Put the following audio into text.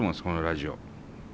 このラジオ。